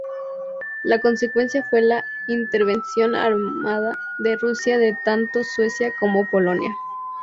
La consecuencia fue la intervención armada en Rusia de tanto Suecia como Polonia.